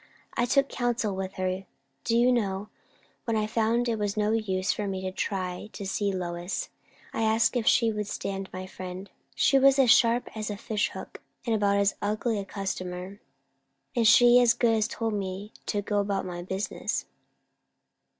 I took counsel with her, do you know, when I found it was no use for me to try to see Lois. I asked her if she would stand my friend. She was as sharp as a fish hook, and about as ugly a customer; and she as good as told me to go about my business."